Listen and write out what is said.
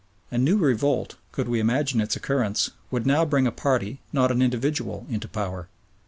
A new revolt, could we imagine its occurrence, would now bring a party, not an individual, into power.